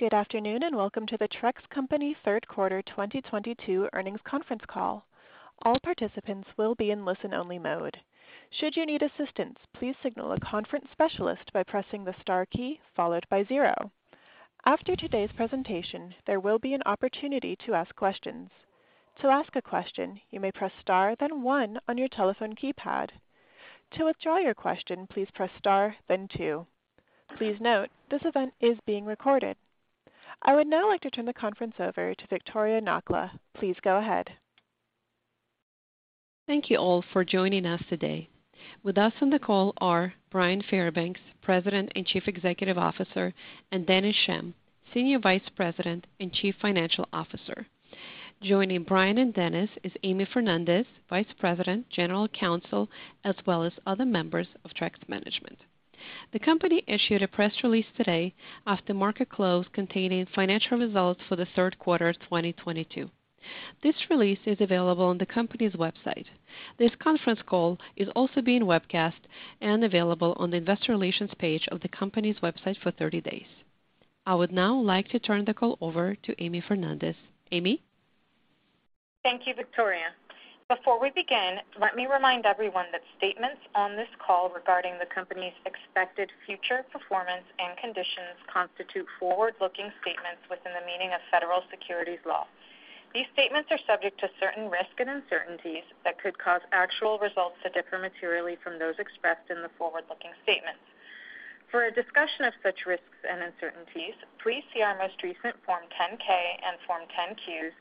Good afternoon, and welcome to the Trex Company third quarter 2022 earnings conference call. All participants will be in listen-only mode. Should you need assistance, please signal a conference specialist by pressing the star key followed by zero. After today's presentation, there will be an opportunity to ask questions. To ask a question, you may press star then one on your telephone keypad. To withdraw your question, please press star then two. Please note, this event is being recorded. I would now like to turn the conference over to Viktoriia Nakhla. Please go ahead. Thank you all for joining us today. With us on the call are Bryan Fairbanks, President and Chief Executive Officer, and Dennis Schemm, Senior Vice President and Chief Financial Officer. Joining Bryan and Dennis is Amy Fernandez, Vice President, General Counsel, as well as other members of Trex management. The company issued a press release today after market close containing financial results for the third quarter 2022. This release is available on the company's website. This conference call is also being webcast and available on the investor relations page of the company's website for 30 days. I would now like to turn the call over to Amy Fernandez. Amy? Thank you, Victoria. Before we begin, let me remind everyone that statements on this call regarding the company's expected future performance and conditions constitute forward-looking statements within the meaning of federal securities law. These statements are subject to certain risks and uncertainties that could cause actual results to differ materially from those expressed in the forward-looking statements. For a discussion of such risks and uncertainties, please see our most recent Form 10-K and Form 10-Qs,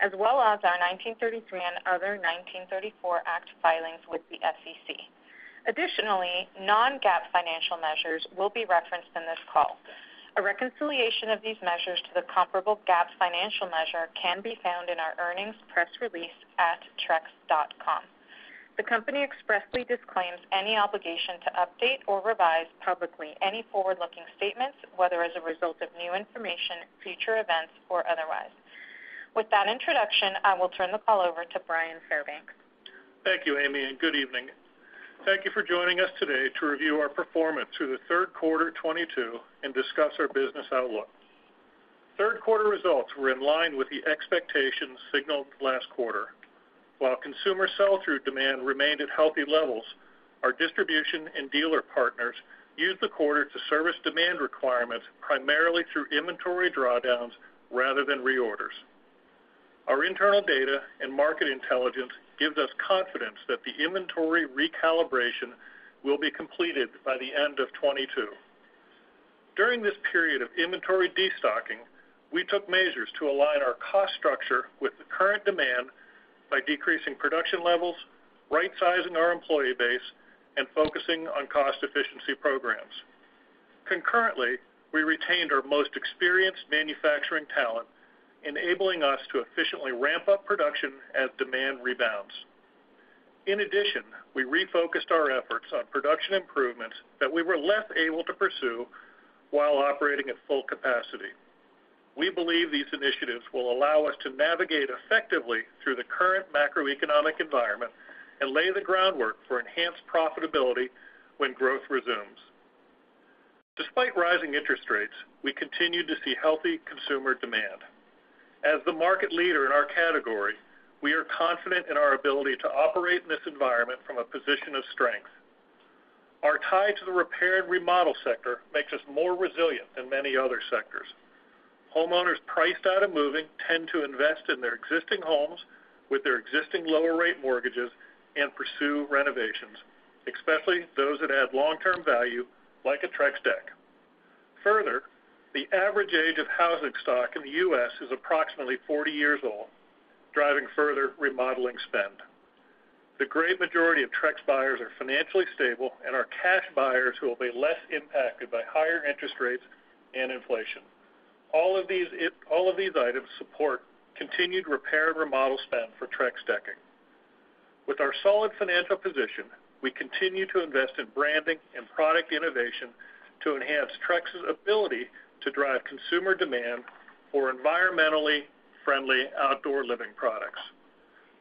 as well as our 1933 and other 1934 Act filings with the SEC. Additionally, non-GAAP financial measures will be referenced in this call. A reconciliation of these measures to the comparable GAAP financial measure can be found in our earnings press release at trex.com. The company expressly disclaims any obligation to update or revise publicly any forward-looking statements, whether as a result of new information, future events, or otherwise. With that introduction, I will turn the call over to Bryan Fairbanks. Thank you, Amy, and good evening. Thank you for joining us today to review our performance through the third quarter 2022 and discuss our business outlook. Third quarter results were in line with the expectations signaled last quarter. While consumer sell-through demand remained at healthy levels, our distribution and dealer partners used the quarter to service demand requirements primarily through inventory drawdowns rather than reorders. Our internal data and market intelligence gives us confidence that the inventory recalibration will be completed by the end of 2022. During this period of inventory destocking, we took measures to align our cost structure with the current demand by decreasing production levels, rightsizing our employee base, and focusing on cost efficiency programs. Concurrently, we retained our most experienced manufacturing talent, enabling us to efficiently ramp up production as demand rebounds. In addition, we refocused our efforts on production improvements that we were less able to pursue while operating at full capacity. We believe these initiatives will allow us to navigate effectively through the current macroeconomic environment and lay the groundwork for enhanced profitability when growth resumes. Despite rising interest rates, we continue to see healthy consumer demand. As the market leader in our category, we are confident in our ability to operate in this environment from a position of strength. Our tie to the repair and remodel sector makes us more resilient than many other sectors. Homeowners priced out of moving tend to invest in their existing homes with their existing lower rate mortgages and pursue renovations, especially those that add long-term value like a Trex deck. Further, the average age of housing stock in the U.S. is approximately 40 years old, driving further remodeling spend. The great majority of Trex buyers are financially stable and are cash buyers who will be less impacted by higher interest rates and inflation. All of these items support continued repair and remodel spend for Trex decking. With our solid financial position, we continue to invest in branding and product innovation to enhance Trex's ability to drive consumer demand for environmentally friendly outdoor living products.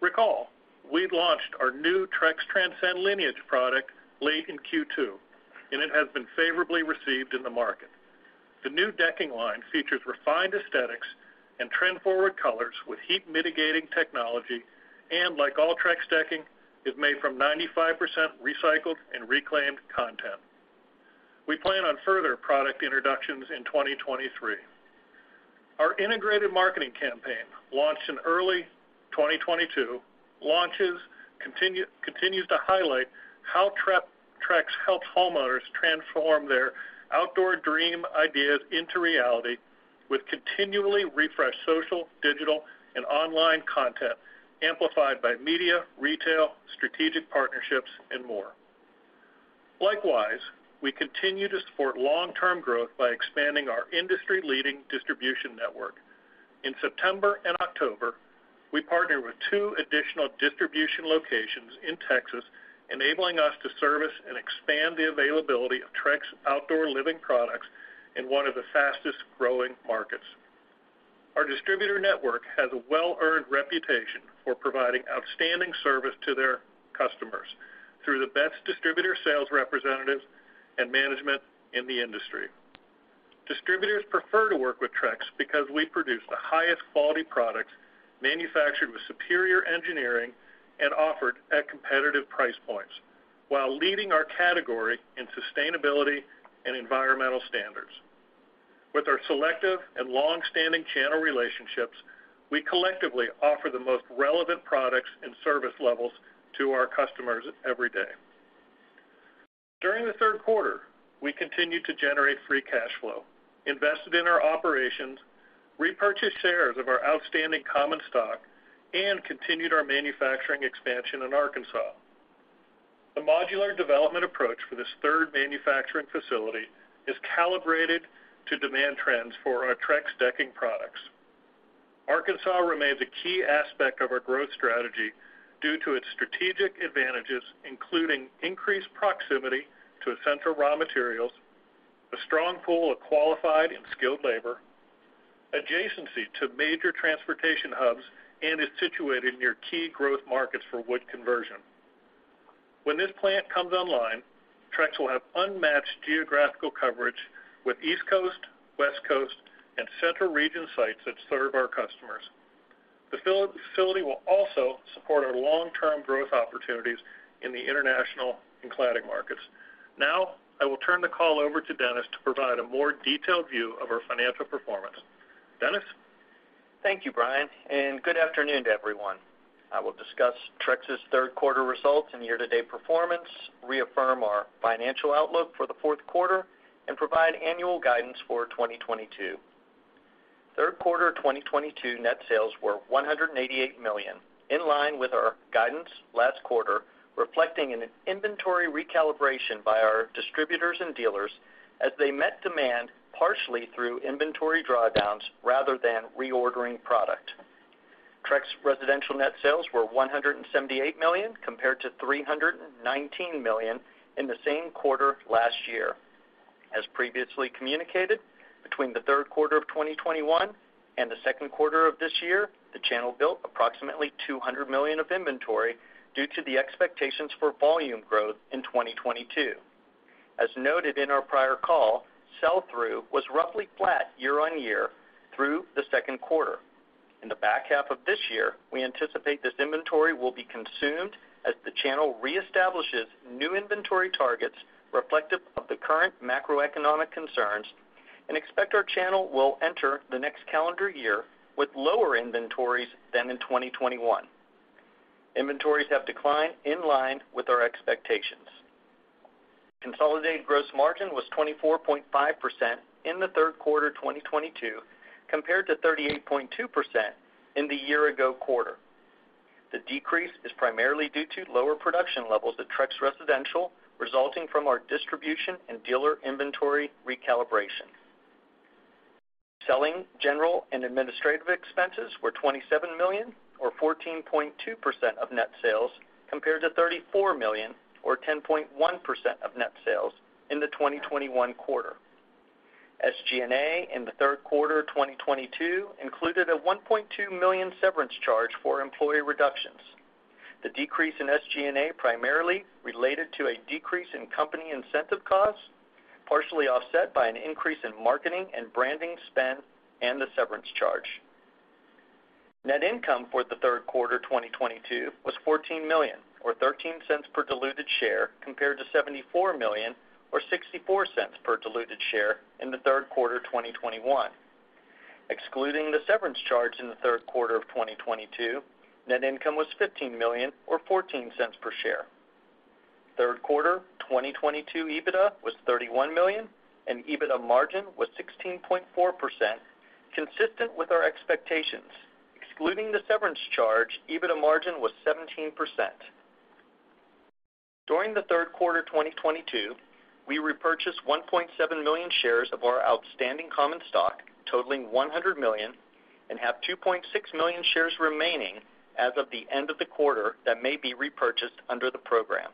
Recall, we launched our new Trex Transcend Lineage product late in Q2, and it has been favorably received in the market. The new decking line features refined aesthetics and trend-forward colors with heat-mitigating technology, and like all Trex decking, is made from 95% recycled and reclaimed content. We plan on further product introductions in 2023. Our integrated marketing campaign, launched in early 2022, continues to highlight how Trex helps homeowners transform their outdoor dream ideas into reality with continually refreshed social, digital, and online content amplified by media, retail, strategic partnerships, and more. Likewise, we continue to support long-term growth by expanding our industry-leading distribution network. In September and October, we partnered with 2 additional distribution locations in Texas, enabling us to service and expand the availability of Trex outdoor living products in one of the fastest-growing markets. Our distributor network has a well-earned reputation for providing outstanding service to their customers through the best distributor sales representatives and management in the industry. Distributors prefer to work with Trex because we produce the highest quality products manufactured with superior engineering and offered at competitive price points while leading our category in sustainability and environmental standards. With our selective and long-standing channel relationships, we collectively offer the most relevant products and service levels to our customers every day. During the third quarter, we continued to generate free cash flow, invested in our operations, repurchased shares of our outstanding common stock, and continued our manufacturing expansion in Arkansas. The modular development approach for this third manufacturing facility is calibrated to demand trends for our Trex decking products. Arkansas remains a key aspect of our growth strategy due to its strategic advantages, including increased proximity to essential raw materials, a strong pool of qualified and skilled labor, adjacency to major transportation hubs, and is situated near key growth markets for wood conversion. When this plant comes online, Trex will have unmatched geographical coverage with East Coast, West Coast, and Central Region sites that serve our customers. The facility will also support our long-term growth opportunities in the international and cladding markets. Now, I will turn the call over to Dennis to provide a more detailed view of our financial performance. Dennis? Thank you, Bryan, and good afternoon to everyone. I will discuss Trex's third quarter results and year-to-date performance, reaffirm our financial outlook for the fourth quarter, and provide annual guidance for 2022. Third quarter 2022 net sales were $188 million, in line with our guidance last quarter, reflecting an inventory recalibration by our distributors and dealers as they met demand partially through inventory drawdowns rather than reordering product. Trex Residential net sales were $178 million, compared to $319 million in the same quarter last year. As previously communicated, between the third quarter of 2021 and the second quarter of this year, the channel built approximately $200 million of inventory due to the expectations for volume growth in 2022. As noted in our prior call, sell-through was roughly flat year-on-year through the second quarter. In the back half of this year, we anticipate this inventory will be consumed as the channel reestablishes new inventory targets reflective of the current macroeconomic concerns and expect our channel will enter the next calendar year with lower inventories than in 2021. Inventories have declined in line with our expectations. Consolidated gross margin was 24.5% in the third quarter 2022, compared to 38.2% in the year ago quarter. The decrease is primarily due to lower production levels at Trex Residential, resulting from our distribution and dealer inventory recalibration. Selling, general, and administrative expenses were $27 million or 14.2% of net sales, compared to $34 million or 10.1% of net sales in the 2021 quarter. SG&A in the third quarter 2022 included a $1.2 million severance charge for employee reductions. The decrease in SG&A primarily related to a decrease in company incentive costs, partially offset by an increase in marketing and branding spend and the severance charge. Net income for the third quarter 2022 was $14 million or $0.13 per diluted share, compared to $74 million or $0.64 per diluted share in the third quarter 2021. Excluding the severance charge in the third quarter of 2022, net income was $15 million or $0.14 per share. Third quarter 2022 EBITDA was $31 million, and EBITDA margin was 16.4%, consistent with our expectations. Excluding the severance charge, EBITDA margin was 17%. During the third quarter 2022, we repurchased 1.7 million shares of our outstanding common stock, totaling $100 million, and have 2.6 million shares remaining as of the end of the quarter that may be repurchased under the program.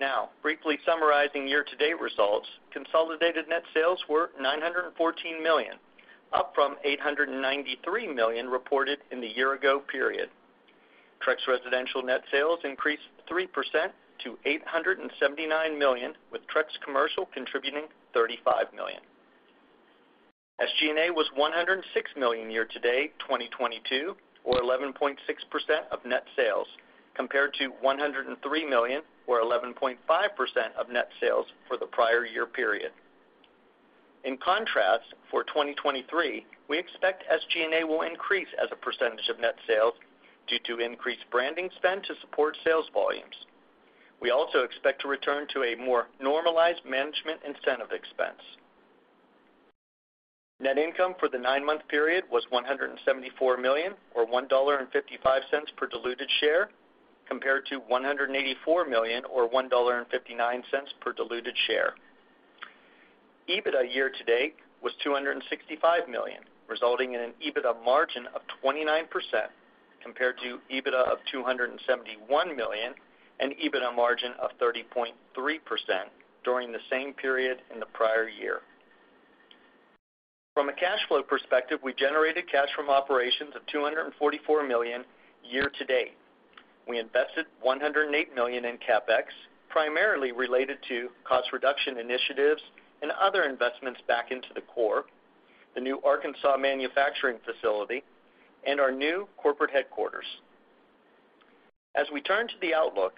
Now, briefly summarizing year-to-date results, consolidated net sales were $914 million, up from $893 million reported in the year ago period. Trex Residential net sales increased 3% to $879 million, with Trex Commercial contributing $35 million. SG&A was $106 million year-to-date 2022 or 11.6% of net sales, compared to $103 million or 11.5% of net sales for the prior year period. In contrast, for 2023, we expect SG&A will increase as a percentage of net sales due to increased branding spend to support sales volumes. We also expect to return to a more normalized management incentive expense. Net income for the nine-month period was $174 million or $1.55 per diluted share, compared to $184 million or $1.59 per diluted share. EBITDA year-to-date was $265 million, resulting in an EBITDA margin of 29%, compared to EBITDA of $271 million and EBITDA margin of 30.3% during the same period in the prior year. From a cash flow perspective, we generated cash from operations of $244 million year-to-date. We invested $108 million in CapEx, primarily related to cost reduction initiatives and other investments back into the core, the new Arkansas manufacturing facility, and our new corporate headquarters. As we turn to the outlook,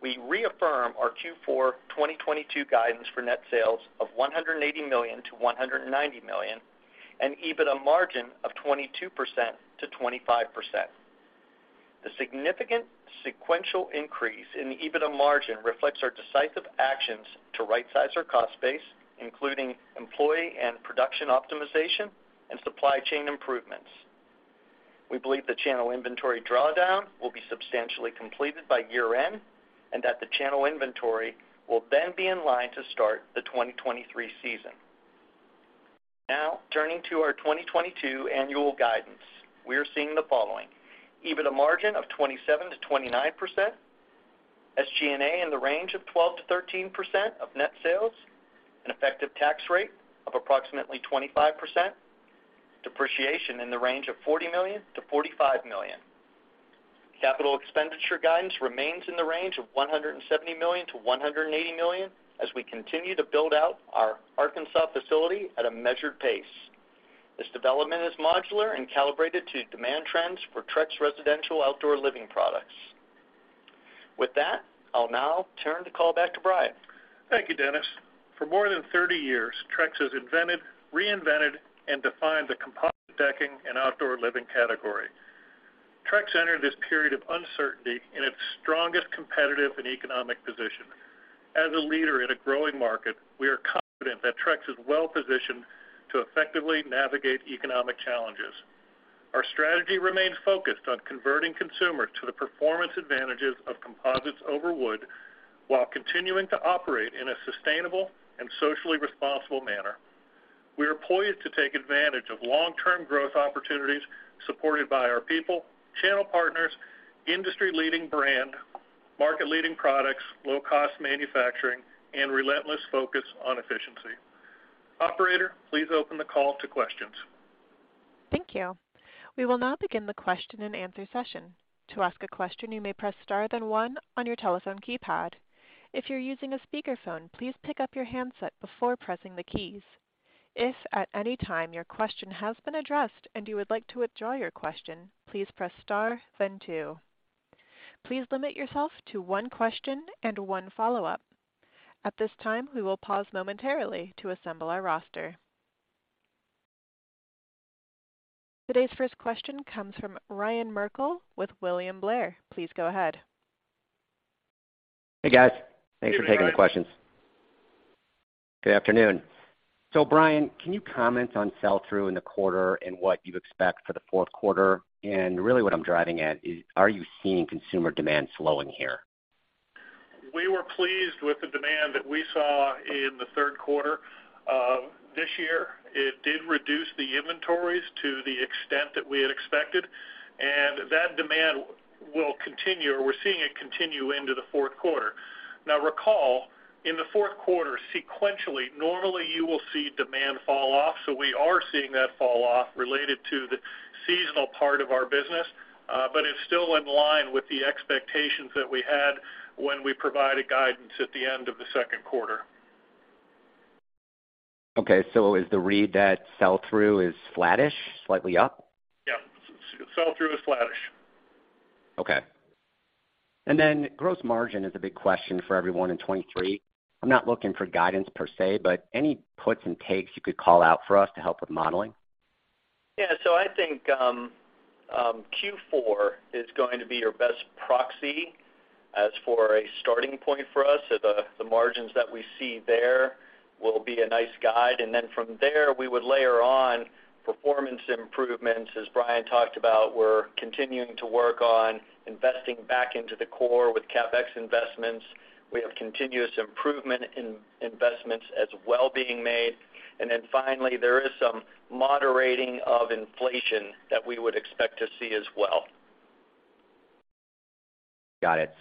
we reaffirm our Q4 2022 guidance for net sales of $180 million-$190 million and EBITDA margin of 22%-25%. The significant sequential increase in the EBITDA margin reflects our decisive actions to right size our cost base, including employee and production optimization and supply chain improvements. We believe the channel inventory drawdown will be substantially completed by year-end and that the channel inventory will then be in line to start the 2023 season. Now, turning to our 2022 annual guidance. We are seeing the following: EBITDA margin of 27%-29%, SG&A in the range of 12%-13% of net sales, an effective tax rate of approximately 25%, depreciation in the range of $40 million-$45 million. Capital expenditure guidance remains in the range of $170 million-$180 million as we continue to build out our Arkansas facility at a measured pace. This development is modular and calibrated to demand trends for Trex residential outdoor living products. With that, I'll now turn the call back to Bryan. Thank you, Dennis. For more than 30 years, Trex has invented, reinvented, and defined the composite decking and outdoor living category. Trex entered this period of uncertainty in its strongest competitive and economic position. As a leader in a growing market, we are confident that Trex is well-positioned to effectively navigate economic challenges. Our strategy remains focused on converting consumers to the performance advantages of composites over wood while continuing to operate in a sustainable and socially responsible manner. We are poised to take advantage of long-term growth opportunities supported by our people, channel partners, industry-leading brand, market-leading products, low-cost manufacturing, and relentless focus on efficiency. Operator, please open the call to questions. Thank you. We will now begin the question-and-answer session. To ask a question, you may press star then one on your telephone keypad. If you're using a speakerphone, please pick up your handset before pressing the keys. If at any time your question has been addressed and you would like to withdraw your question, please press star then two. Please limit yourself to one question and one follow-up. At this time, we will pause momentarily to assemble our roster. Today's first question comes from Ryan Merkel with William Blair. Please go ahead. Hey, guys. Thanks for taking the questions. Good afternoon. Bryan, can you comment on sell-through in the quarter and what you expect for the fourth quarter? Really what I'm driving at is, are you seeing consumer demand slowing here? We were pleased with the demand that we saw in the third quarter. This year, it did reduce the inventories to the extent that we had expected, and that demand will continue, or we're seeing it continue into the fourth quarter. Now recall, in the fourth quarter, sequentially, normally you will see demand fall off. We are seeing that fall off related to the seasonal part of our business. It's still in line with the expectations that we had when we provided guidance at the end of the second quarter. Okay. Is the read that sell-through is flattish, slightly up? Yeah. Sell-through is flattish. Okay. Gross margin is a big question for everyone in 2023. I'm not looking for guidance per se, but any puts and takes you could call out for us to help with modeling? Yeah. I think Q4 is going to be your best proxy for a starting point for us. The margins that we see there will be a nice guide. From there, we would layer on performance improvements. As Brian talked about, we're continuing to work on investing back into the core with CapEx investments. We have continuous improvement in investments as well being made. Finally, there is some moderating of inflation that we would expect to see as well. Got it.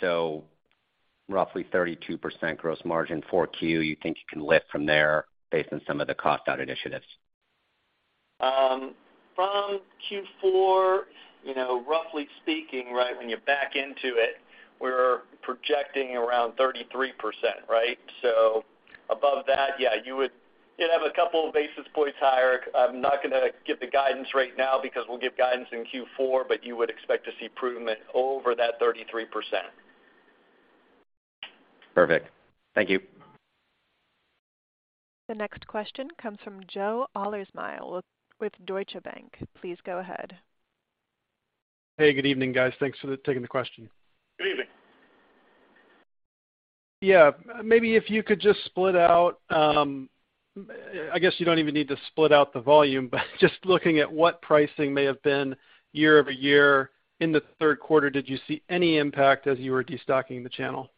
Roughly 32% gross margin 4Q, you think you can lift from there based on some of the cost out initiatives? From Q4, you know, roughly speaking, right? When you back into it, we're projecting around 33%, right? Above that, yeah, you'd have a couple of basis points higher. I'm not gonna give the guidance right now because we'll give guidance in Q4, but you would expect to see improvement over that 33%. Perfect. Thank you. The next question comes from Joe Ahlersmeyer with Deutsche Bank. Please go ahead. Hey, good evening, guys. Thanks for taking the question. Good evening. Yeah. Maybe if you could just split out, I guess you don't even need to split out the volume, but just looking at what pricing may have been year-over-year in the third quarter, did you see any impact as you were destocking the channel?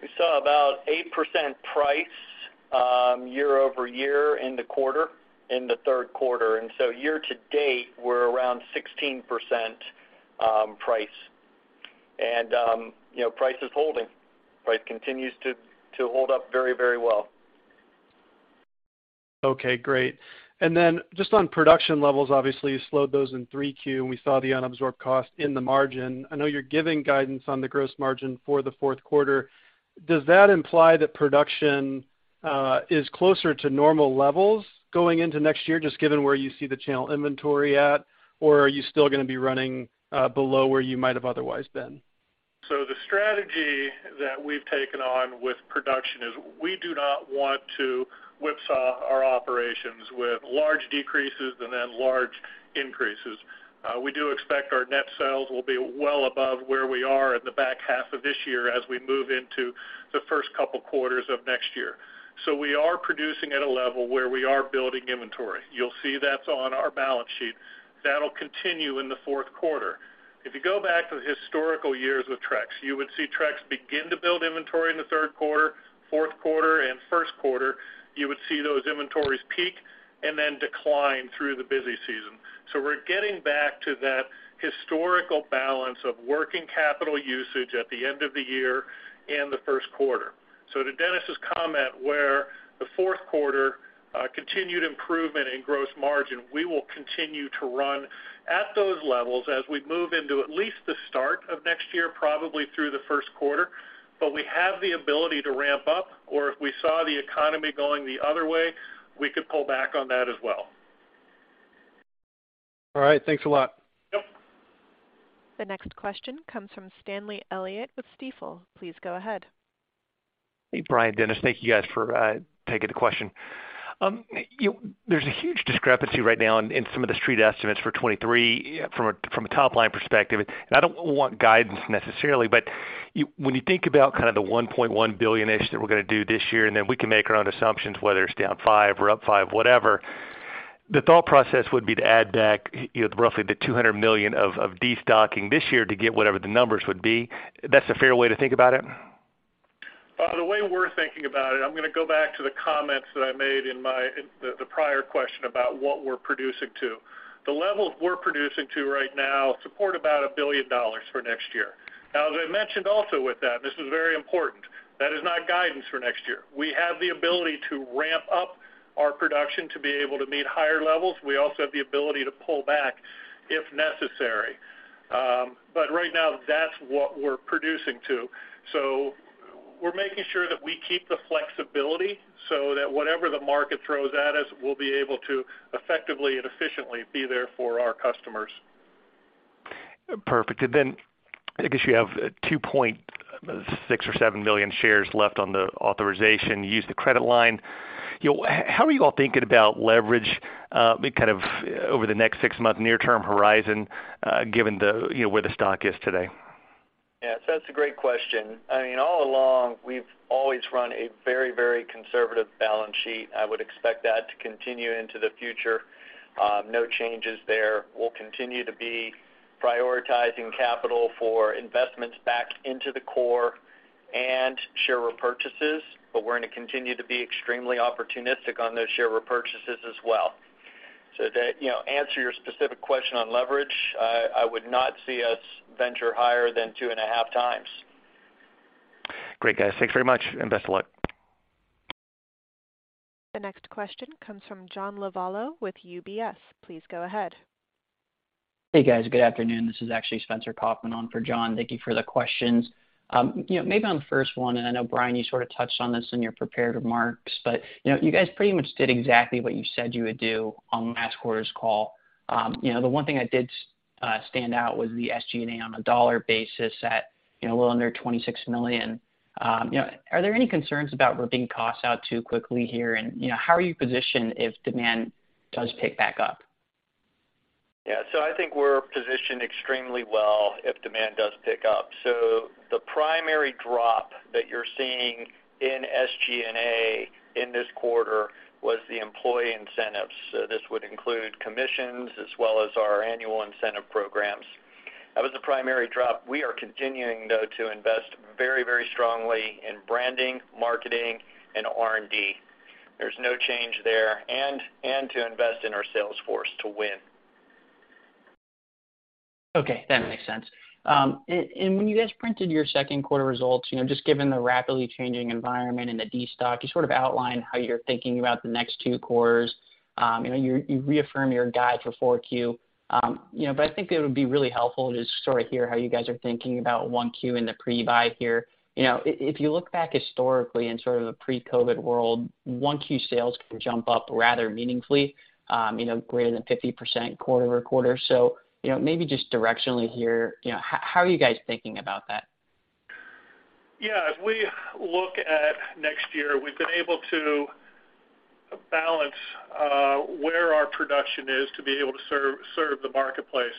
We saw about 8% price year-over-year in the quarter, in the third quarter. Year to date, we're around 16% price. You know, price is holding. Price continues to hold up very, very well. Okay, great. Just on production levels, obviously, you slowed those in 3Q, and we saw the unabsorbed cost in the margin. I know you're giving guidance on the gross margin for the fourth quarter. Does that imply that production is closer to normal levels going into next year just given where you see the channel inventory at? Or are you still gonna be running below where you might have otherwise been? The strategy that we've taken on with production is we do not want to whipsaw our operations with large decreases and then large increases. We do expect our net sales will be well above where we are at the back half of this year as we move into the first couple quarters of next year. We are producing at a level where we are building inventory. You'll see that on our balance sheet. That'll continue in the fourth quarter. If you go back to the historical years with Trex, you would see Trex begin to build inventory in the third quarter, fourth quarter and first quarter. You would see those inventories peak and then decline through the busy season. We're getting back to that historical balance of working capital usage at the end of the year and the first quarter. To Dennis' comment, where the fourth quarter continued improvement in gross margin, we will continue to run at those levels as we move into at least the start of next year, probably through the first quarter. We have the ability to ramp up, or if we saw the economy going the other way, we could pull back on that as well. All right. Thanks a lot. Yep. The next question comes from Stanley Elliott with Stifel. Please go ahead. Hey, Bryan, Dennis. Thank you guys for taking the question. There's a huge discrepancy right now in some of the street estimates for 2023 from a top line perspective. I don't want guidance necessarily, but when you think about kind of the $1.1 billion-ish that we're gonna do this year, and then we can make our own assumptions, whether it's down 5% or up 5%, whatever. The thought process would be to add back, you know, roughly the $200 million of destocking this year to get whatever the numbers would be. That's a fair way to think about it? The way we're thinking about it, I'm gonna go back to the comments that I made in the prior question about what we're producing to. The levels we're producing to right now support about $1 billion for next year. Now, as I mentioned also with that, this is very important. That is not guidance for next year. We have the ability to ramp up our production to be able to meet higher levels. We also have the ability to pull back if necessary. But right now that's what we're producing to. We're making sure that we keep the flexibility so that whatever the market throws at us, we'll be able to effectively and efficiently be there for our customers. Perfect. I guess you have 2.6 or 7 million shares left on the authorization. You use the credit line. How are you all thinking about leverage, kind of over the next six-month near-term horizon, given the, you know, where the stock is today? Yeah. That's a great question. I mean, all along, we've always run a very, very conservative balance sheet. I would expect that to continue into the future. No changes there. We'll continue to be prioritizing capital for investments back into the core and share repurchases, but we're gonna continue to be extremely opportunistic on those share repurchases as well. To, you know, answer your specific question on leverage, I would not see us venture higher than 2.5 times. Great, guys. Thanks very much, and best of luck. The next question comes from John Lovallo with UBS. Please go ahead. Hey, guys. Good afternoon. This is actually Spencer Kaufman on for John. Thank you for the questions. You know, maybe on the first one, and I know, Bryan, you sort of touched on this in your prepared remarks, but, you know, you guys pretty much did exactly what you said you would do on last quarter's call. You know, the one thing that did stand out was the SG&A on a dollar basis at a little under $26 million. You know, are there any concerns about ripping costs out too quickly here? And, you know, how are you positioned if demand does pick back up? Yeah. I think we're positioned extremely well if demand does pick up. The primary drop that you're seeing in SG&A in this quarter was the employee incentives. This would include commissions as well as our annual incentive programs. That was the primary drop. We are continuing, though, to invest very, very strongly in branding, marketing, and R&D. There's no change there and to invest in our sales force to win. Okay. That makes sense. When you guys printed your second quarter results, you know, just given the rapidly changing environment and the destock, you sort of outlined how you're thinking about the next two quarters. You reaffirm your guide for Q4. But I think it would be really helpful to sort of hear how you guys are thinking about 1Q in the pre-buy here. You know, if you look back historically in sort of a pre-COVID world, 1Q sales can jump up rather meaningfully, you know, greater than 50% quarter-over-quarter. You know, maybe just directionally here, you know, how are you guys thinking about that? Yeah. As we look at next year, we've been able to balance where our production is to be able to serve the marketplace.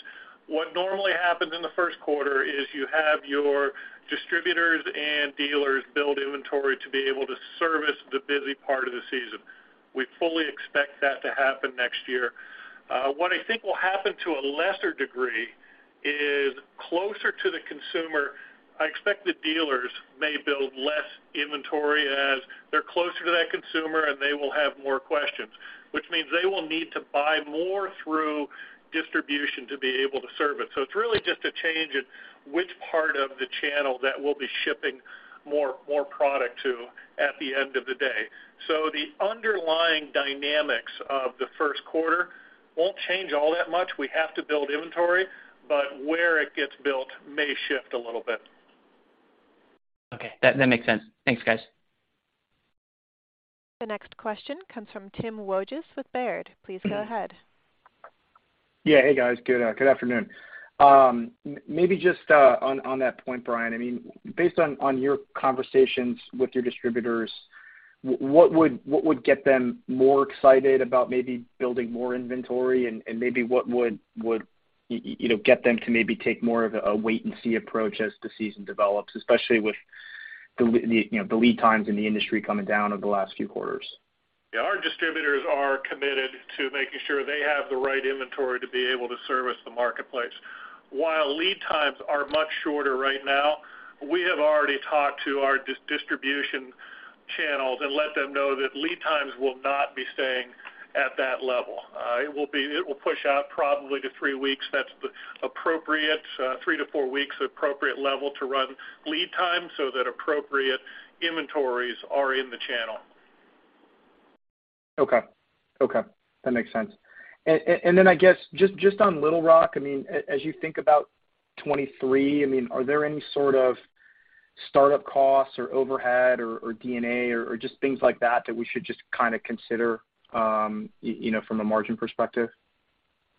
What normally happens in the first quarter is you have your distributors and dealers build inventory to be able to service the busy part of the season. We fully expect that to happen next year. What I think will happen to a lesser degree is closer to the consumer, I expect the dealers may build less inventory as they're closer to that consumer, and they will have more questions, which means they will need to buy more through distribution to be able to serve it. It's really just a change in which part of the channel that we'll be shipping more product to at the end of the day. The underlying dynamics of the first quarter won't change all that much. We have to build inventory, but where it gets built may shift a little bit. Okay, that makes sense. Thanks, guys. The next question comes from Timothy Wojs with Baird. Please go ahead. Yeah. Hey, guys. Good afternoon. Maybe just on that point, Bryan, I mean, based on your conversations with your distributors, what would get them more excited about maybe building more inventory and maybe what would you know get them to maybe take more of a wait and see approach as the season develops, especially with the you know the lead times in the industry coming down over the last few quarters? Yeah, our distributors are committed to making sure they have the right inventory to be able to service the marketplace. While lead times are much shorter right now, we have already talked to our distribution channels and let them know that lead times will not be staying at that level. It will push out probably to three weeks. That's the appropriate three to four weeks, appropriate level to run lead time so that appropriate inventories are in the channel. Okay. That makes sense. I guess just on Little Rock, I mean, as you think about 2023, I mean, are there any sort of startup costs or overhead or D&A or just things like that that we should just kinda consider, you know, from a margin perspective?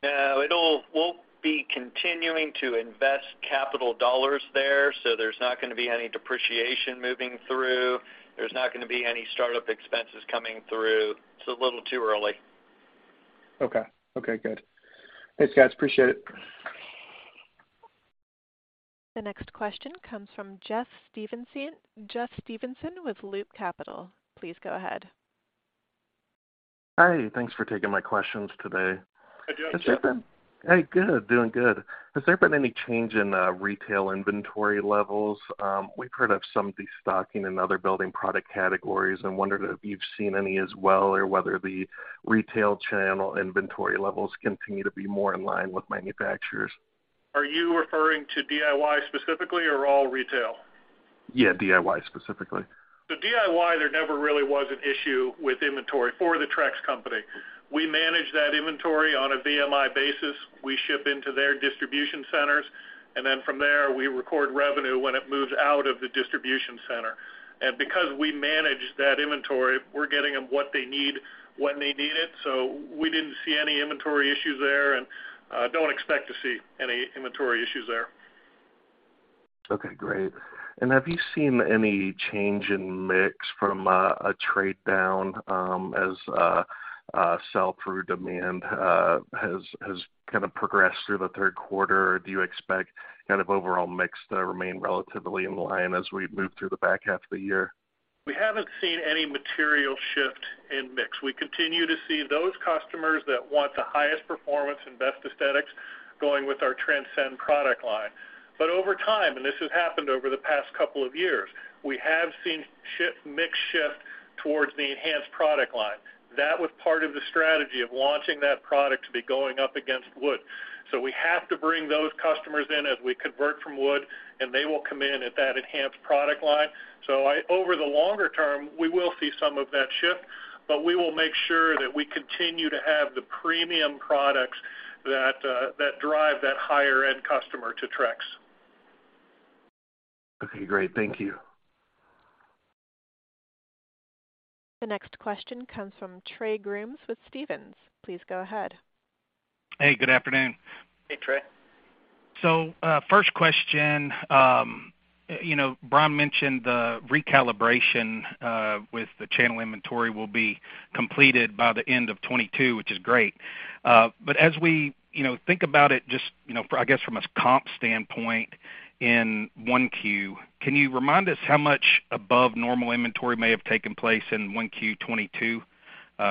No, we'll be continuing to invest capital dollars there, so there's not gonna be any depreciation moving through. There's not gonna be any startup expenses coming through. It's a little too early. Okay. Okay, good. Thanks, guys. Appreciate it. The next question comes from Jeffrey Stevenson, Jeffrey Stevenson with Loop Capital. Please go ahead. Hi. Thanks for taking my questions today. How you doing, Jeff? How's it been? Hey, good. Doing good. Has there been any change in retail inventory levels? We've heard of some destocking in other building product categories and wondered if you've seen any as well, or whether the retail channel inventory levels continue to be more in line with manufacturers? Are you referring to DIY specifically or all retail? Yeah, DIY specifically. The DIY, there never really was an issue with inventory for the Trex Company. We manage that inventory on a VMI basis. We ship into their distribution centers, and then from there, we record revenue when it moves out of the distribution center. Because we manage that inventory, we're getting them what they need when they need it, so we didn't see any inventory issues there and don't expect to see any inventory issues there. Okay, great. Have you seen any change in mix from a trade down as sell-through demand has kinda progressed through the third quarter? Do you expect kind of overall mix to remain relatively in line as we move through the back half of the year? We haven't seen any material shift in mix. We continue to see those customers that want the highest performance and best aesthetics going with our Transcend product line. Over time, and this has happened over the past couple of years, we have seen mix shift towards the Enhance product line. That was part of the strategy of launching that product to be going up against wood. We have to bring those customers in as we convert from wood, and they will come in at that Enhance product line. Over the longer term, we will see some of that shift, but we will make sure that we continue to have the premium products that drive that higher end customer to Trex. Okay, great. Thank you. The next question comes from Trey Grooms with Stephens. Please go ahead. Hey, good afternoon. Hey, Trey. First question, you know, Bryan mentioned the recalibration with the channel inventory will be completed by the end of 2022, which is great. But as we, you know, think about it, just, you know, I guess from a comp standpoint in 1Q, can you remind us how much above normal inventory may have taken place in 1Q 2022,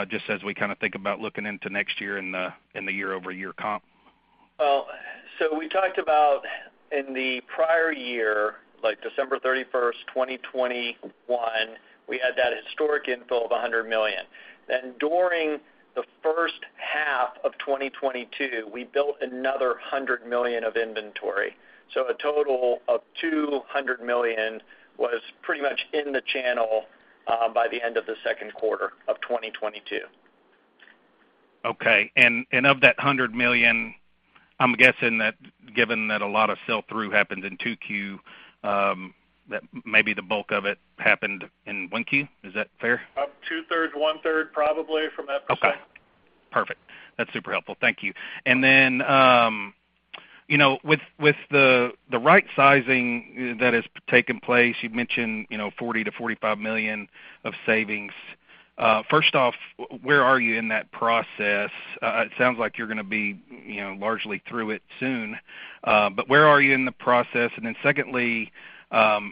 just as we kinda think about looking into next year in the year-over-year comp? We talked about in the prior year, like December 31, 2021, we had that historic infill of $100 million. During the first half of 2022, we built another $100 million of inventory. A total of $200 million was pretty much in the channel by the end of the second quarter of 2022. Okay. Of that $100 million, I'm guessing that given that a lot of sell-through happened in 2Q, that maybe the bulk of it happened in 1Q. Is that fair? About 2/3, 1/3 probably from that perspective. Okay. Perfect. That's super helpful. Thank you. Then, you know, with the right sizing that has taken place, you've mentioned, you know, $40 million-$45 million of savings. First off, where are you in that process? It sounds like you're gonna be, you know, largely through it soon. But where are you in the process? Then secondly,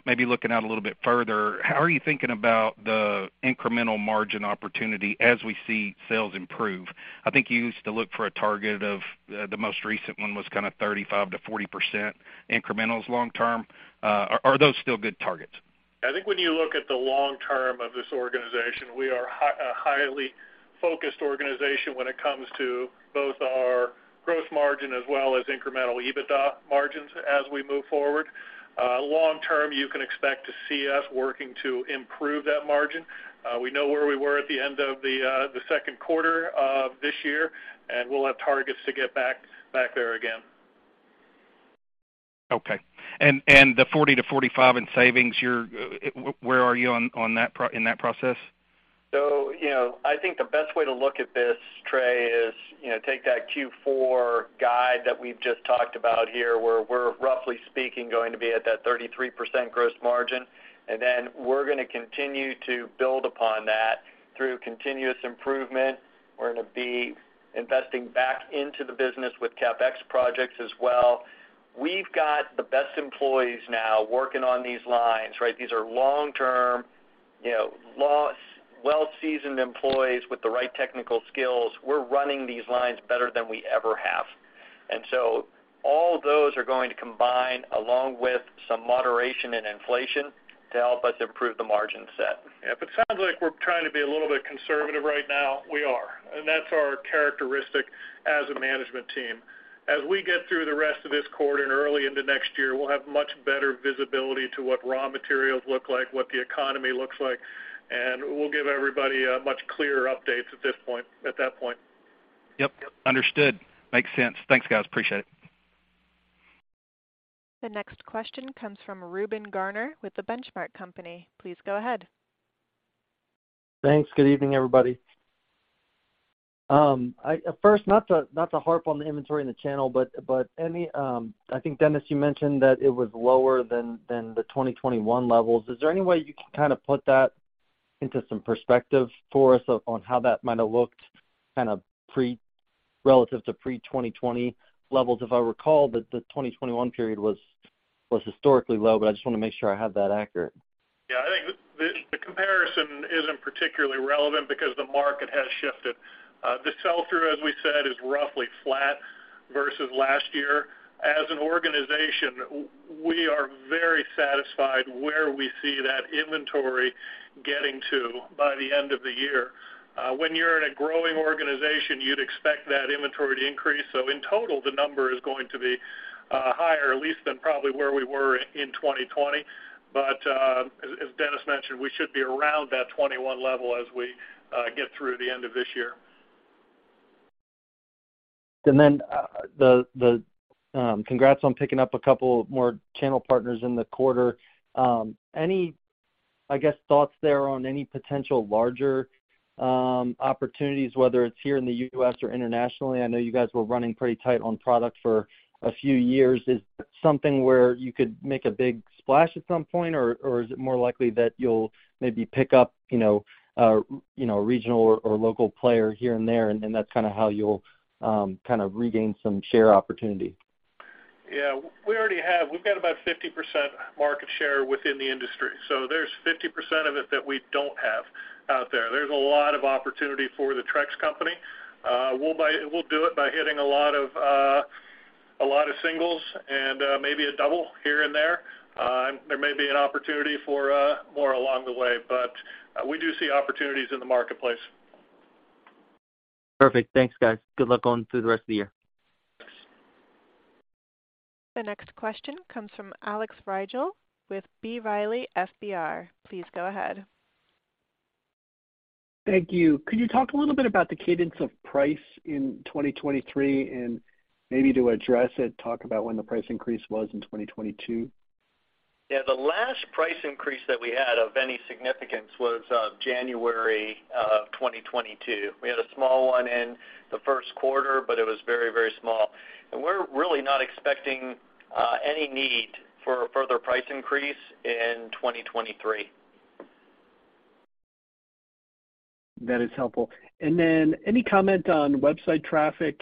maybe looking out a little bit further, how are you thinking about the incremental margin opportunity as we see sales improve? I think you used to look for a target of, the most recent one was kind of 35%-40% incrementals long term. Are those still good targets? I think when you look at the long term of this organization, we are a highly focused organization when it comes to both our gross margin as well as incremental EBITDA margins as we move forward. Long term, you can expect to see us working to improve that margin. We know where we were at the end of the second quarter of this year, and we'll have targets to get back there again. Okay. The $40-$45 in savings, where are you on that, in that process? You know, I think the best way to look at this, Trey, is, you know, take that Q4 guide that we've just talked about here, where we're roughly speaking going to be at that 33% gross margin. We're gonna continue to build upon that through continuous improvement. We're gonna be investing back into the business with CapEx projects as well. We've got the best employees now working on these lines, right? These are long-term, you know, well-seasoned employees with the right technical skills. We're running these lines better than we ever have. All those are going to combine, along with some moderation in inflation, to help us improve the margin set. If it sounds like we're trying to be a little bit conservative right now, we are, and that's our characteristic as a management team. As we get through the rest of this quarter and early into next year, we'll have much better visibility to what raw materials look like, what the economy looks like, and we'll give everybody much clearer updates at that point. Yep, understood. Makes sense. Thanks, guys. Appreciate it. The next question comes from Reuben Garner with The Benchmark Company. Please go ahead. Thanks. Good evening, everybody. First, not to harp on the inventory in the channel, but any. I think, Dennis, you mentioned that it was lower than the 2021 levels. Is there any way you can kind of put that into some perspective for us on how that might have looked kind of relative to pre-2020 levels? If I recall, the 2021 period was historically low, but I just wanna make sure I have that accurate. Yeah. I think the comparison isn't particularly relevant because the market has shifted. The sell-through, as we said, is roughly flat versus last year. As an organization, we are very satisfied where we see that inventory getting to by the end of the year. When you're in a growing organization, you'd expect that inventory to increase. In total, the number is going to be higher at least than probably where we were in 2020. As Dennis mentioned, we should be around that 2021 level as we get through the end of this year. Congrats on picking up a couple more channel partners in the quarter. Any, I guess, thoughts there on any potential larger opportunities, whether it's here in the U.S. or internationally? I know you guys were running pretty tight on product for a few years. Is that something where you could make a big splash at some point, or is it more likely that you'll maybe pick up, you know, a regional or local player here and there, and that's kinda how you'll kind of regain some share opportunity? Yeah. We already have. We've got about 50% market share within the industry, so there's 50% of it that we don't have out there. There's a lot of opportunity for the Trex Company. We'll do it by hitting a lot of singles and maybe a double here and there. There may be an opportunity for more along the way, but we do see opportunities in the marketplace. Perfect. Thanks, guys. Good luck going through the rest of the year. Thanks. The next question comes from Alex Rygiel with B. Riley Securities. Please go ahead. Thank you. Could you talk a little bit about the cadence of price in 2023 and maybe to address it, talk about when the price increase was in 2022? Yeah. The last price increase that we had of any significance was January of 2022. We had a small one in the first quarter, but it was very, very small. We're really not expecting any need for a further price increase in 2023. That is helpful. Any comment on website traffic?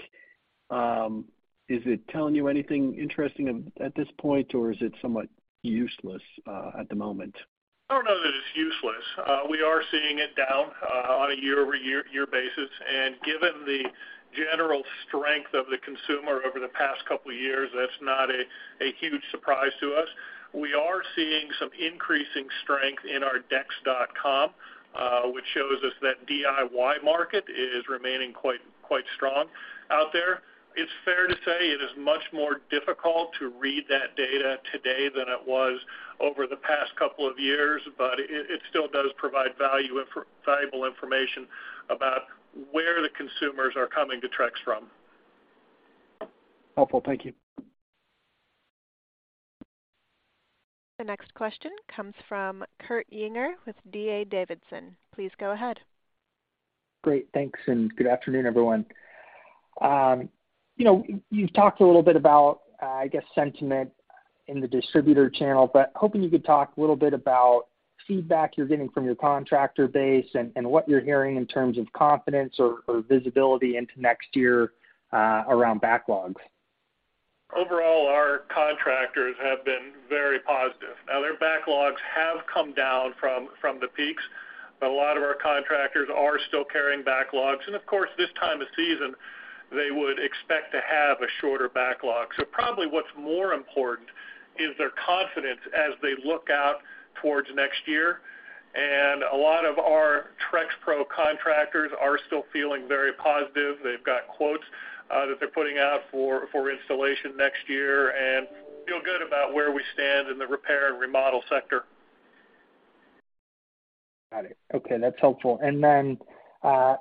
Is it telling you anything interesting at this point, or is it somewhat useless at the moment? I don't know that it's useless. We are seeing it down on a year-over-year basis. Given the general strength of the consumer over the past couple years, that's not a huge surprise to us. We are seeing some increasing strength in our trex.com, which shows us that DIY market is remaining quite strong out there. It's fair to say it is much more difficult to read that data today than it was over the past couple of years, but it still does provide valuable information about where the consumers are coming to Trex from. Helpful. Thank you. The next question comes from Kurt Yinger with D.A. Davidson. Please go ahead. Great. Thanks, and good afternoon, everyone. You know, you've talked a little bit about, I guess, sentiment in the distributor channel, but hoping you could talk a little bit about feedback you're getting from your contractor base and what you're hearing in terms of confidence or visibility into next year, around backlogs. Overall, our contractors have been very positive. Now their backlogs have come down from the peaks, but a lot of our contractors are still carrying backlogs. Of course, this time of season, they would expect to have a shorter backlog. Probably what's more important is their confidence as they look out towards next year. A lot of our Trex Pro contractors are still feeling very positive. They've got quotes that they're putting out for installation next year and feel good about where we stand in the repair and remodel sector. Got it. Okay, that's helpful.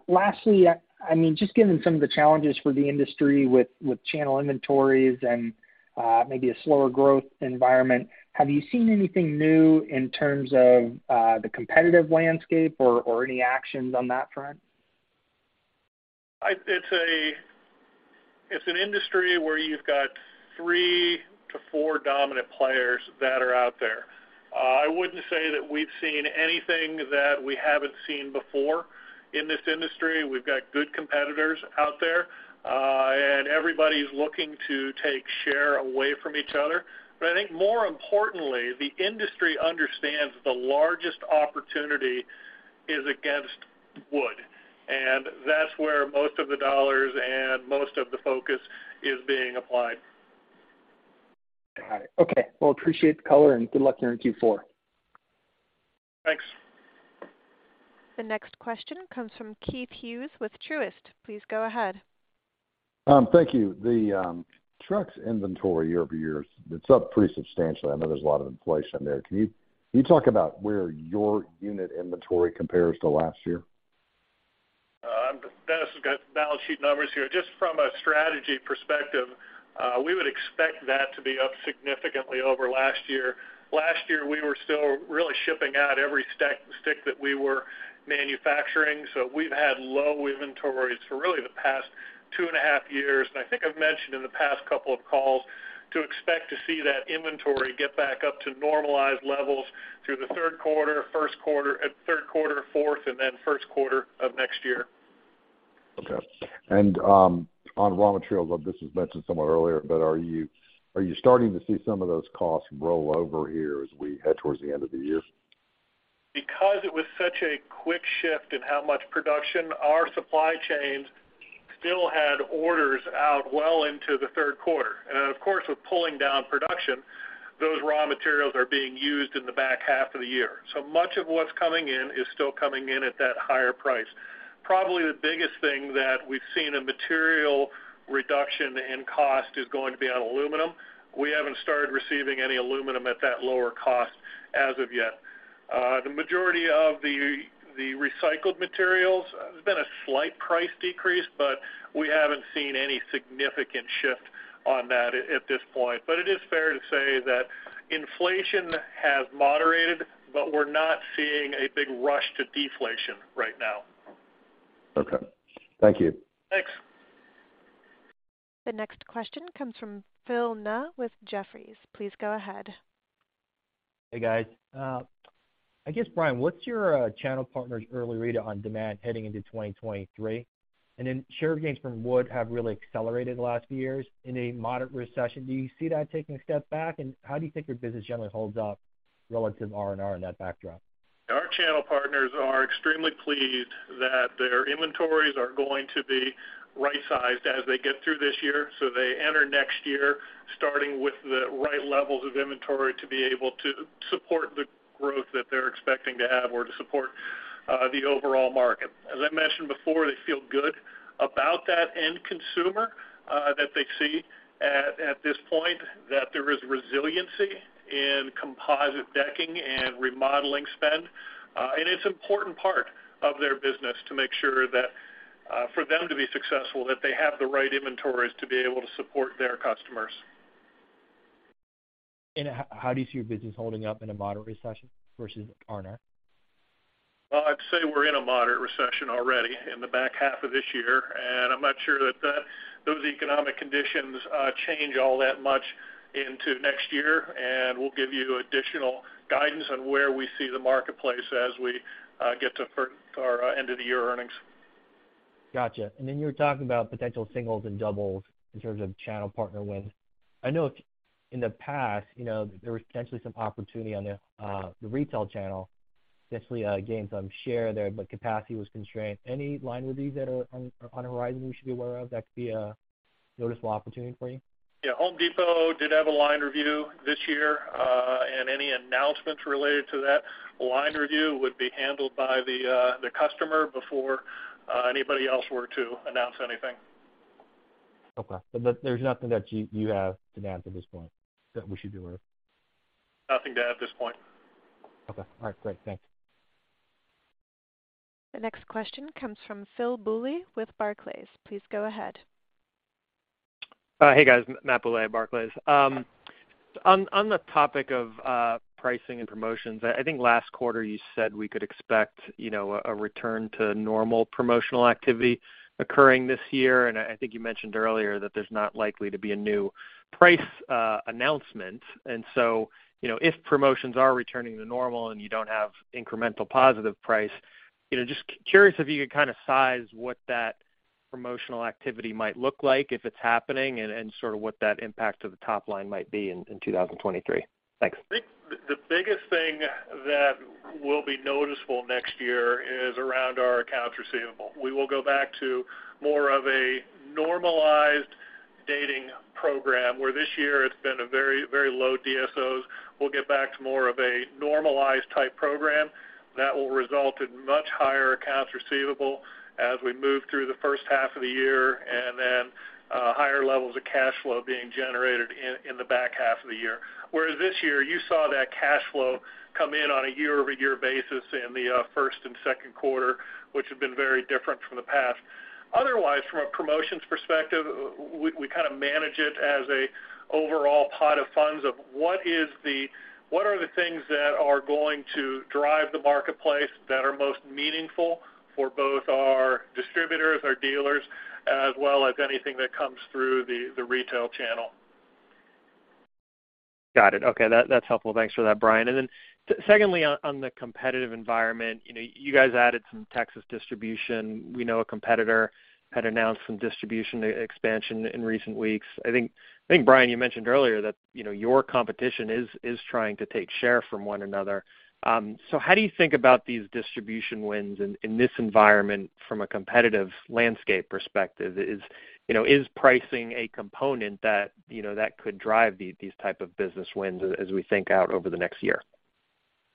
Lastly, I mean, just given some of the challenges for the industry with channel inventories and maybe a slower growth environment, have you seen anything new in terms of the competitive landscape or any actions on that front? I'd say it's an industry where you've got three to four dominant players that are out there. I wouldn't say that we've seen anything that we haven't seen before in this industry. We've got good competitors out there, and everybody's looking to take share away from each other. I think more importantly, the industry understands the largest opportunity is against wood, and that's where most of the dollars and most of the focus is being applied. Got it. Okay. Well, appreciate the color, and good luck during Q4. Thanks. The next question comes from Keith Hughes with Truist. Please go ahead. Thank you. The Trex inventory year over year, it's up pretty substantially. I know there's a lot of inflation there. Can you talk about where your unit inventory compares to last year? Dennis has got the balance sheet numbers here. Just from a strategy perspective, we would expect that to be up significantly over last year. Last year, we were still really shipping out every stick that we were manufacturing, so we've had low inventories for really the past 2.5 Years. I think I've mentioned in the past couple of calls to expect to see that inventory get back up to normalized levels through the third quarter, fourth, and then first quarter of next year. Okay. On raw materials, this was mentioned somewhat earlier, but are you starting to see some of those costs roll over here as we head towards the end of the year? Because it was such a quick shift in how much production, our supply chains still had orders out well into the third quarter. Then, of course, with pulling down production, those raw materials are being used in the back half of the year. Much of what's coming in is still coming in at that higher price. Probably the biggest thing that we've seen a material reduction in cost is going to be on aluminum. We haven't started receiving any aluminum at that lower cost as of yet. The majority of the recycled materials, there's been a slight price decrease, but we haven't seen any significant shift on that at this point. It is fair to say that inflation has moderated, but we're not seeing a big rush to deflation right now. Okay. Thank you. Thanks. The next question comes from Phil Ng with Jefferies. Please go ahead. Hey, guys. I guess, Bryan, what's your channel partners early read on demand heading into 2023? Then share gains from wood have really accelerated the last few years. In a moderate recession, do you see that taking a step back? How do you think your business generally holds up relative R&R in that backdrop? Our channel partners are extremely pleased that their inventories are going to be rightsized as they get through this year, so they enter next year starting with the right levels of inventory to be able to support the growth that they're expecting to have or to support, the overall market. As I mentioned before, they feel good about that end consumer, that they see at this point, that there is resiliency in composite decking and remodeling spend. It's important part of their business to make sure that, for them to be successful, that they have the right inventories to be able to support their customers. How do you see your business holding up in a moderate recession versus R&R? Well, I'd say we're in a moderate recession already in the back half of this year. I'm not sure that those economic conditions change all that much into next year. We'll give you additional guidance on where we see the marketplace as we get to end of the year earnings. Gotcha. You were talking about potential singles and doubles in terms of channel partner wins. I know in the past, you know, there was potentially some opportunity on the retail channel, potentially gain some share there, but capacity was constrained. Any line reviews that are on the horizon we should be aware of that could be a noticeable opportunity for you? Yeah. Home Depot did have a line review this year. Any announcements related to that line review would be handled by the customer before anybody else were to announce anything. Okay. There's nothing that you have to announce at this point that we should be aware of? Nothing to add at this point. Okay. All right, great. Thanks. The next question comes from Matthew Bouley with Barclays. Please go ahead. Hey guys, Matthew Bouley at Barclays. On the topic of pricing and promotions, I think last quarter you said we could expect, you know, a return to normal promotional activity occurring this year. I think you mentioned earlier that there's not likely to be a new price announcement. You know, if promotions are returning to normal and you don't have incremental positive price, you know, just curious if you could kinda size what that promotional activity might look like if it's happening and sorta what that impact to the top line might be in 2023. Thanks. I think the biggest thing that will be noticeable next year is around our accounts receivable. We will go back to more of a normalized dating program, where this year it's been a very, very low DSOs. We'll get back to more of a normalized type program. That will result in much higher accounts receivable as we move through the first half of the year, and then higher levels of cash flow being generated in the back half of the year. Whereas this year, you saw that cash flow come in on a year-over-year basis in the first and second quarter, which had been very different from the past. Otherwise, from a promotions perspective, we kinda manage it as a overall pot of funds of what are the things that are going to drive the marketplace that are most meaningful for both our distributors, our dealers, as well as anything that comes through the retail channel. Got it. Okay, that's helpful. Thanks for that, Brian. Then secondly, on the competitive environment, you know, you guys added some Texas distribution. We know a competitor had announced some distribution expansion in recent weeks. I think, Brian, you mentioned earlier that, you know, your competition is trying to take share from one another. So how do you think about these distribution wins in this environment from a competitive landscape perspective? Is pricing a component that could drive these type of business wins as we think out over the next year?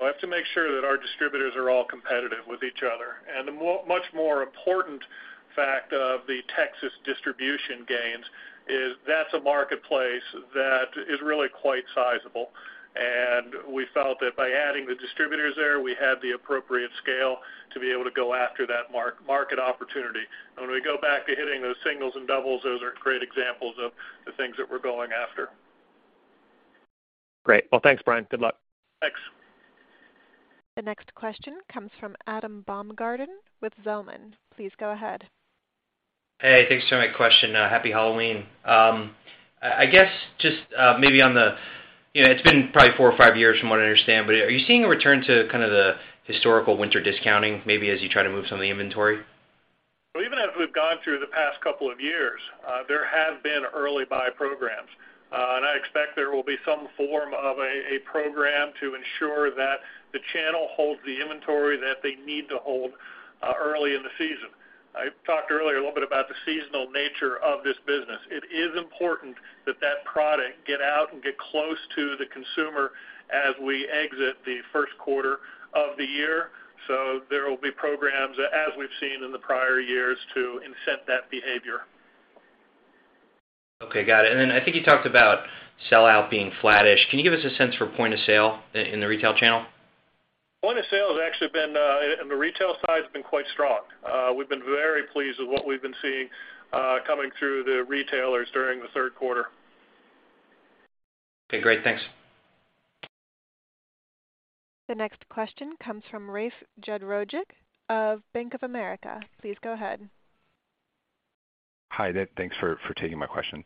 Well, I have to make sure that our distributors are all competitive with each other. The much more important fact of the Texas distribution gains is that it's a marketplace that is really quite sizable. We felt that by adding the distributors there, we had the appropriate scale to be able to go after that market opportunity. When we go back to hitting those singles and doubles, those are great examples of the things that we're going after. Great. Well, thanks, Brian. Good luck. Thanks. The next question comes from Adam Baumgarten with Zelman. Please go ahead. Hey, thanks for taking my question. Happy Halloween. I guess just maybe on the. You know, it's been probably four or five years from what I understand, but are you seeing a return to kind of the historical winter discounting maybe as you try to move some of the inventory? Well, even as we've gone through the past couple of years, there have been early buy programs. I expect there will be some form of a program to ensure that the channel holds the inventory that they need to hold, early in the season. I talked earlier a little bit about the seasonal nature of this business. It is important that that product get out and get close to the consumer as we exit the first quarter of the year. There will be programs, as we've seen in the prior years, to incent that behavior. Okay, got it. I think you talked about sell-out being flattish. Can you give us a sense for point of sale in the retail channel? Point of sale has actually been, on the retail side, has been quite strong. We've been very pleased with what we've been seeing, coming through the retailers during the third quarter. Okay, great. Thanks. The next question comes from Rafe Jadrosich of Bank of America. Please go ahead. Hi. Thanks for taking my question.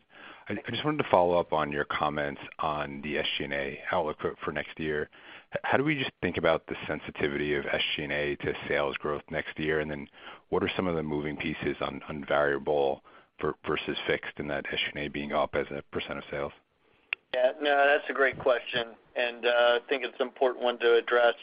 I just wanted to follow up on your comments on the SG&A outlook for next year. How do we just think about the sensitivity of SG&A to sales growth next year? And then what are some of the moving pieces on variable versus fixed in that SG&A being up as a % of sales? Yeah. No, that's a great question, and, I think it's an important one to address.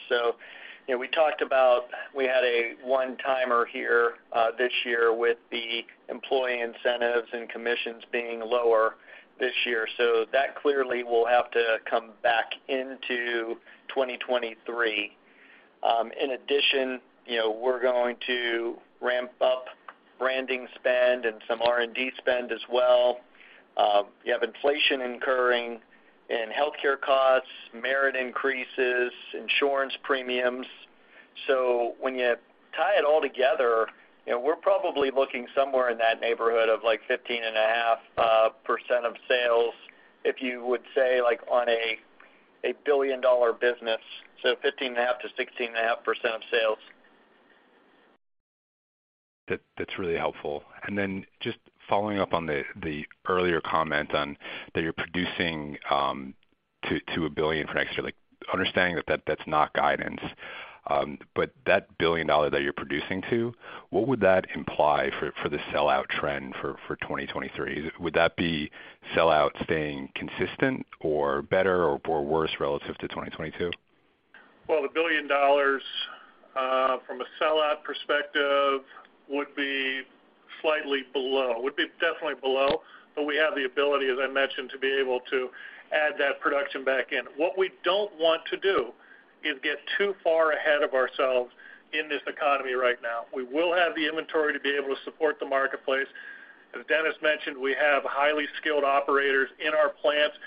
You know, we talked about we had a one-timer here, this year with the employee incentives and commissions being lower this year. That clearly will have to come back into 2023. In addition, you know, we're going to ramp up branding spend and some R&D spend as well. You have inflation incurring in healthcare costs, merit increases, insurance premiums. When you tie it all together, you know, we're probably looking somewhere in that neighborhood of, like, 15.5% of sales, if you would say, like, on a billion-dollar business, so 15.5%-16.5% of sales. That's really helpful. Just following up on the earlier comment on that you're producing to $1 billion for next year. Like, understanding that that's not guidance, but that $1 billion that you're producing to, what would that imply for the sell-out trend for 2023? Would that be sell-out staying consistent or better or worse relative to 2022? Well, the $1 billion from a sell-out perspective would be slightly below, would be definitely below, but we have the ability, as I mentioned, to be able to add that production back in. What we don't want to do is get too far ahead of ourselves in this economy right now. We will have the inventory to be able to support the marketplace. As Dennis mentioned, we have highly skilled operators in our plants.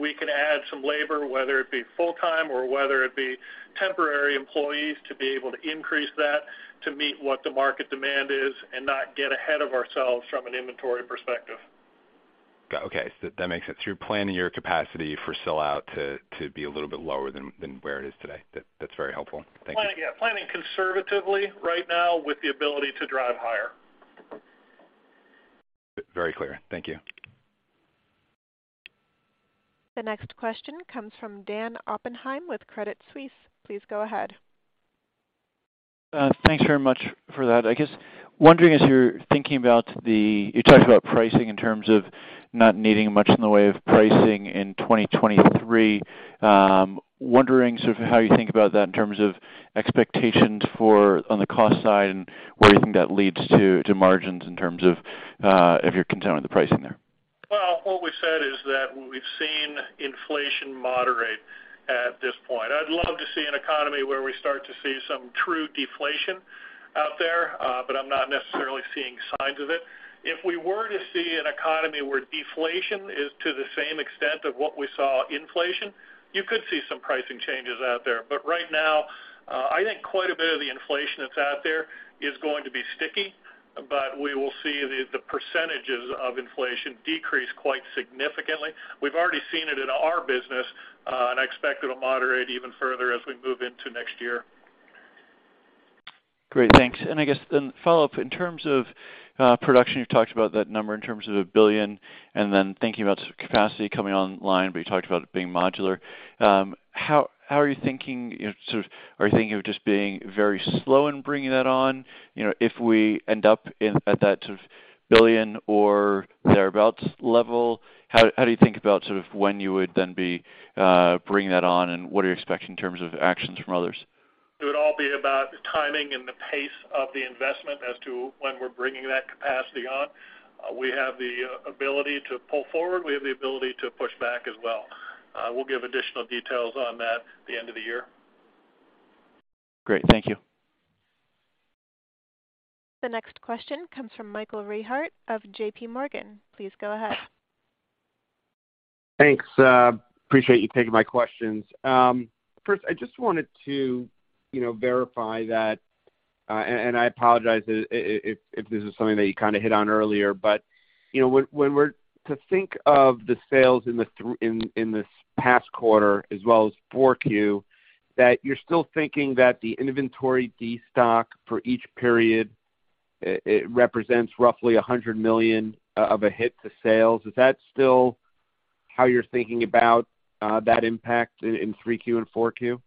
We can add some labor, whether it be full-time or whether it be temporary employees, to be able to increase that to meet what the market demand is and not get ahead of ourselves from an inventory perspective. Got it. Okay. That makes it through planning your capacity for sellout to be a little bit lower than where it is today. That's very helpful. Thank you. Planning, yeah, planning conservatively right now with the ability to drive higher. Very clear. Thank you. The next question comes from Dan Oppenheim with Credit Suisse. Please go ahead. Thanks very much for that. You talked about pricing in terms of not needing much in the way of pricing in 2023. Wondering sort of how you think about that in terms of expectations for on the cost side and where you think that leads to margins in terms of if you're content with the pricing there. Well, what we said is that we've seen inflation moderate at this point. I'd love to see an economy where we start to see some true deflation out there, but I'm not necessarily seeing signs of it. If we were to see an economy where deflation is to the same extent of what we saw inflation, you could see some pricing changes out there. Right now, I think quite a bit of the inflation that's out there is going to be sticky, but we will see the percentages of inflation decrease quite significantly. We've already seen it in our business, and I expect it'll moderate even further as we move into next year. Great. Thanks. I guess then follow-up, in terms of production, you've talked about that number in terms of $1 billion, and then thinking about capacity coming online, but you talked about it being modular. How are you thinking, sort of are you thinking of just being very slow in bringing that on? You know, if we end up at that sort of $1 billion or thereabouts level, how do you think about sort of when you would then be bringing that on and what are you expecting in terms of actions from others? It would all be about the timing and the pace of the investment as to when we're bringing that capacity on. We have the ability to pull forward. We have the ability to push back as well. We'll give additional details on that at the end of the year. Great. Thank you. The next question comes from Michael Rehaut of JPMorgan. Please go ahead. Thanks. Appreciate you taking my questions. First, I just wanted to, you know, verify that, and I apologize if this is something that you kinda hit on earlier. You know, when we're to think of the sales in the in this past quarter as well as 4Q, that you're still thinking that the inventory destock for each period, it represents roughly $100 million of a hit to sales. Is that still how you're thinking about that impact in 3Q and 4Q?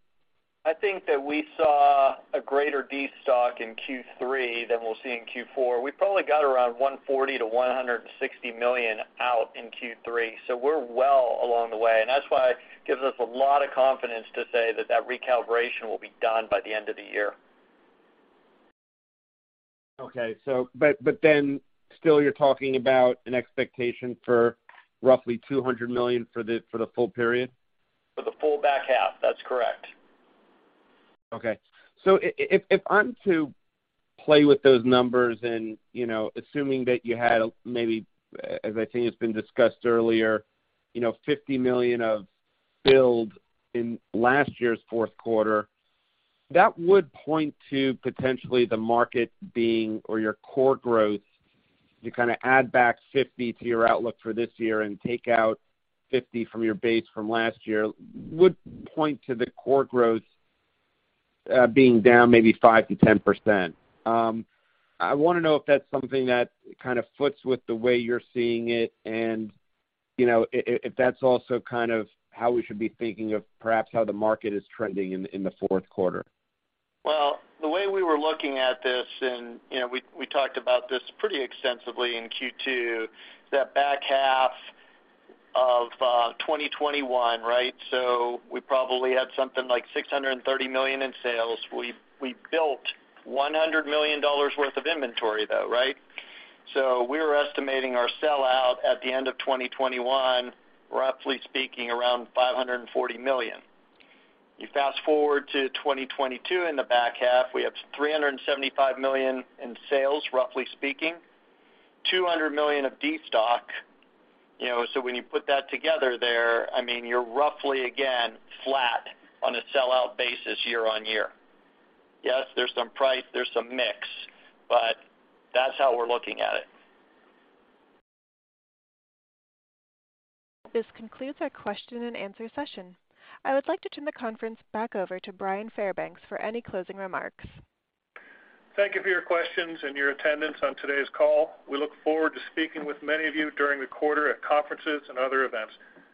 I think that we saw a greater destock in Q3 than we'll see in Q4. We probably got around $140 million-$160 million out in Q3, so we're well along the way. That's why it gives us a lot of confidence to say that that recalibration will be done by the end of the year. Still you're talking about an expectation for roughly $200 million for the full period? For the full back half. That's correct. If I'm to play with those numbers and, you know, assuming that you had maybe, as I think it's been discussed earlier, you know, $50 million of build in last year's fourth quarter, that would point to potentially the market being or your core growth. You kinda add back $50 million to your outlook for this year and take out $50 million from your base from last year would point to the core growth being down maybe 5%-10%. I wanna know if that's something that kinda foots with the way you're seeing it, and, you know, if that's also kind of how we should be thinking of perhaps how the market is trending in the fourth quarter. Well, the way we were looking at this, and, you know, we talked about this pretty extensively in Q2, is that back half of 2021, right? We probably had something like $630 million in sales. We built $100 million worth of inventory, though, right? We were estimating our sellout at the end of 2021, roughly speaking, around $540 million. You fast-forward to 2022 in the back half, we have $375 million in sales, roughly speaking, $200 million of destock. You know, when you put that together there, I mean, you're roughly again flat on a sellout basis year-on-year. Yes, there's some price, there's some mix, but that's how we're looking at it. This concludes our question and answer session. I would like to turn the conference back over to Bryan Fairbanks for any closing remarks. Thank you for your questions and your attendance on today's call. We look forward to speaking with many of you during the quarter at conferences and other events.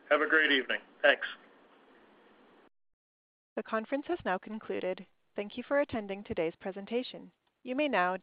Have a great evening. Thanks. The conference has now concluded. Thank you for attending today's presentation. You may now disconnect.